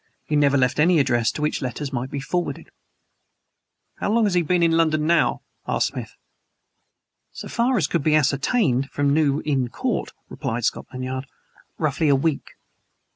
He never left any address to which letters might be forwarded. "How long has he been in London now?" asked Smith. So far as could be ascertained from New Inn Court (replied Scotland Yard) roughly a week.